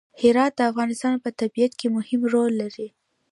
هرات د افغانستان په طبیعت کې مهم رول لري.